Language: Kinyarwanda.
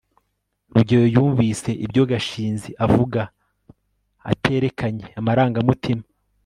rugeyo yumvise ibyo gashinzi avuga aterekanye amarangamutima